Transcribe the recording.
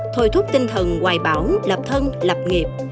thôi thúc tinh thần hoài bảo lập thân lập nghiệp